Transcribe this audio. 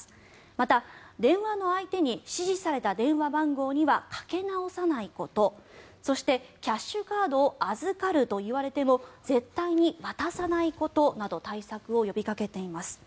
また、電話の相手に指示された電話番号にはかけ直さないことそして、キャッシュカードを預かると言われても絶対に渡さないことなど対策を呼びかけています。